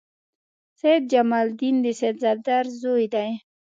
سید جمال الدین د سید صفدر زوی دی.